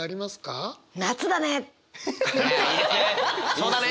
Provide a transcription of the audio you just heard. そうだね！